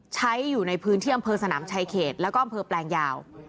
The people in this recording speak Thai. ใช้อยู่ในพื้นที่อำเภอสนามชายเขตแล้วก็อำเภอแปลงยาว